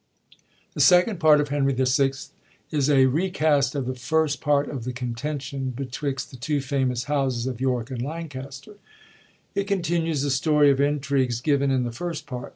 , The second part of Henry VI. is a recast of the First Part of The Contention bettoioct the two famous Houses of Yorke and Lancaster. It continues the story of intrigues given in the first part.